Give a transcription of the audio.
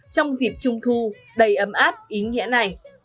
trong dịp trung thu đầy ấm áp ý nghĩa này